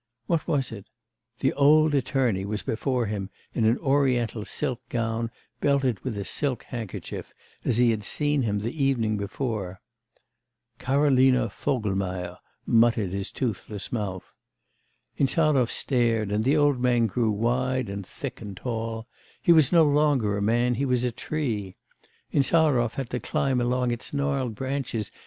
What was it? the old attorney was before him in an Oriental silk gown belted with a silk handkerchief, as he had seen him the evening before.... 'Karolina Vogelmeier,' muttered his toothless mouth. Insarov stared, and the old man grew wide and thick and tall, he was no longer a man, he was a tree.... Insarov had to climb along its gnarled branches.